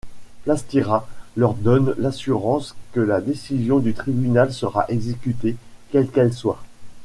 Plastiras leur donne l'assurance que la décision du Tribunal sera exécutée, quelle qu'elle soit.